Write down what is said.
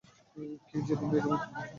কি জেদি মেয়ে তুমি!